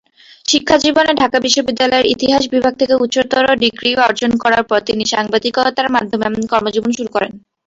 শিক্ষাজীবনে ঢাকা বিশ্ববিদ্যালয়ের ইতিহাসে বিভাগ থেকে উচ্চতর ডিগ্রি অর্জন করার পর তিনি সাংবাদিকতার মাধ্যমে কর্মজীবন শুরু করেন।